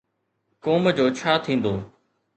قوم جو ڇا ٿيندو؟